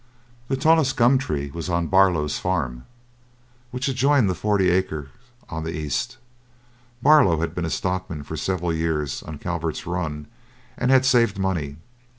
The tallest gum tree was on Barlow's farm which adjoined the forty acre on the east. Barlow had been a stockman for several years on Calvert's run, and had saved money.